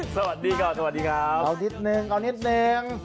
สวัสดีครับสวัสดีครับเอานิดนึงเอานิดนึง